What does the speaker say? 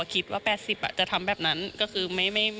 อ่าเดี๋ยวฟองดูนะครับไม่เคยพูดนะครับ